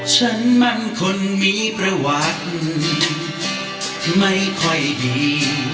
ฉันมันคนมีประวัติไม่ค่อยดี